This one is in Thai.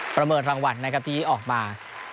ประเมิดรางวัลที่ออกมา